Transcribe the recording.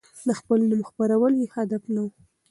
د خپل نوم خپرول يې هدف نه و.